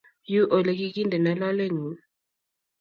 Nyuu oligigindeno lolengung